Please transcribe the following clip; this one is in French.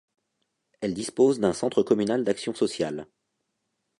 Elle dispose d’un centre communal d'action sociale.